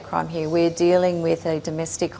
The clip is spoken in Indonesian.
kami mengadakan homosid domestik